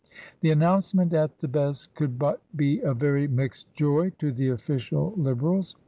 The announcement at the best could but be a very mixed joy to the official Lib erals.